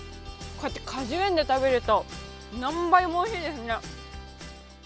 果樹園で食べると何倍もおいしいですね。